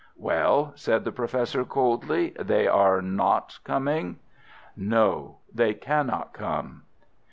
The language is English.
"Well," said the Professor, coldly, "they are not coming?" "No, they cannot come."